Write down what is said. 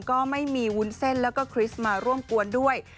ก็ไม่มีวุ้นเส้นแล้วก็คริสต์มาร่วมกวนด้วย